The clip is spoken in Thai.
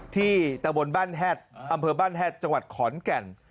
ตะบนบ้านแฮดอำเภอบ้านแฮดจังหวัดขอนแก่น